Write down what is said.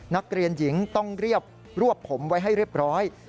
นักเรียนหญิงต้องเรียบรวบผมไว้ให้เรียบร้อย